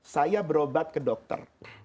saya berobat ke dokter